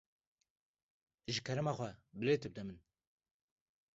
Ji kerema xwe, bilêtê bide min.